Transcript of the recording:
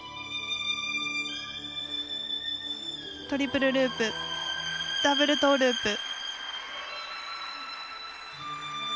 トリプルループダブルトーループ。